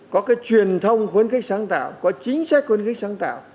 có cái truyền thông khuyến khích sáng tạo có chính sách khuyến khích sáng tạo